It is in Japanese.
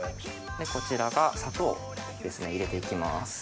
こちらが砂糖ですね入れて行きます。